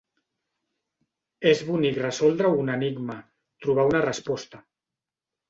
És bonic resoldre un enigma, trobar una resposta.